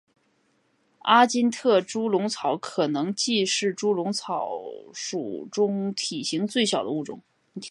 阿金特猪笼草可能既是猪笼草属中体型最小的物种。